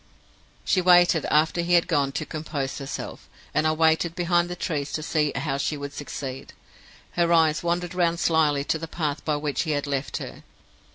"She waited, after he had gone, to compose herself, and I waited behind the trees to see how she would succeed. Her eyes wandered round slyly to the path by which he had left her.